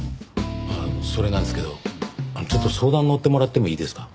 それなんですけどちょっと相談のってもらってもいいですか？